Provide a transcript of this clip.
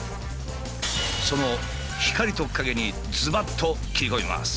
その光と影にずばっと切り込みます！